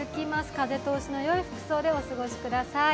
風通しのよい服装でお過ごしください。